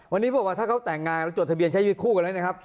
วันนี้บอกว่าถ้าเขาแต่งงานเราจดทะเบียนใช้ชีวิตคู่กันแล้วนะครับ